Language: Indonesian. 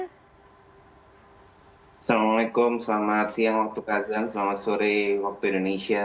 assalamualaikum selamat siang waktu kazan selamat sore waktu indonesia